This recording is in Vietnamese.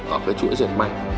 ở chuỗi dệt may